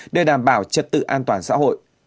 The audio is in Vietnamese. để đảm bảo trật tự an toàn xã hội